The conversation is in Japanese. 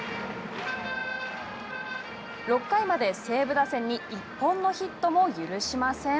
６回まで西武打線に１本のヒットも許しません。